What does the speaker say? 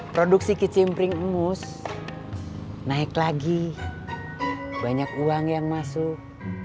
produksi kecimpring emos naik lagi banyak uang yang masuk